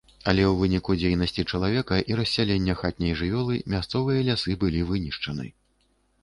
Але ў выніку дзейнасці чалавека і рассялення хатняй жывёлы мясцовыя лясы былі вынішчаны.